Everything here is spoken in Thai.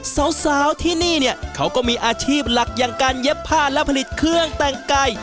สาวที่นี่เนี่ยเขาก็มีอาชีพหลักอย่างการเย็บผ้าและผลิตเครื่องแต่งกาย